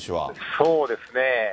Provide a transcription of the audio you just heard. そうですね。